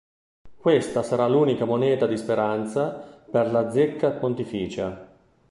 Questa sarà l'unica moneta di Speranza per la zecca pontificia.